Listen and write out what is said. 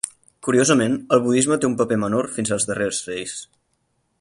Curiosament, el budisme té un paper menor fins als darrers reis.